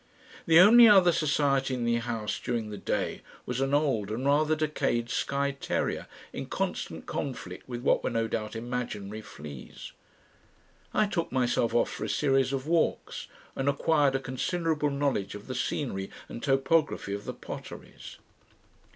The only other society in the house during the day was an old and rather decayed Skye terrier in constant conflict with what were no doubt imaginary fleas. I took myself off for a series of walks, and acquired a considerable knowledge of the scenery and topography of the Potteries.